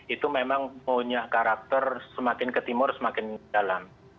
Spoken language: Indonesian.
itu memang punya karakter semakin ke timur semakin dalam